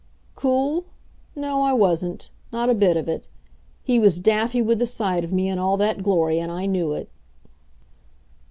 Cool? No, I wasn't. Not a bit of it. He was daffy with the sight of me in all that glory, and I knew it.